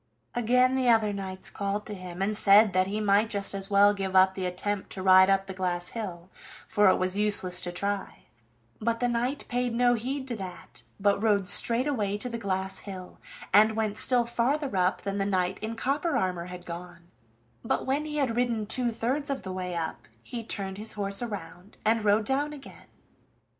Again the other knights called to him, and said that he might just as well give up the attempt to ride up the glass hill, for it was useless to try; but the knight paid no heed to that, but rode straight away to the glass hill, and went still farther up than the knight in copper armor had gone; but when he had ridden two thirds of the way up he turned his horse around, and rode down again.